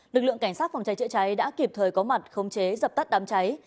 lực lượng cảnh sát phòng cháy chữa cháy đã kịp thời có mặt khống chế dập tắt đám cháy